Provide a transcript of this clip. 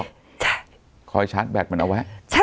ใช่ใช่คอยชัดแบทมันเอาวะ